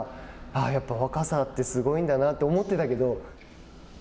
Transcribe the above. やっぱり若さってすごいんだなって思ってたけど。